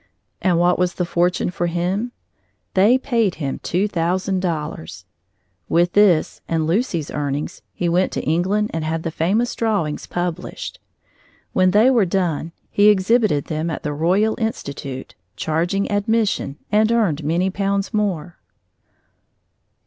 And what was fortunate for him, they had paid him two thousand dollars. With this and Lucy's earnings, he went to England and had the famous drawings published. When they were done, he exhibited them at the Royal Institute, charging admission, and earned many pounds more.